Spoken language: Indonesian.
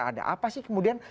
ada apa sih kemudian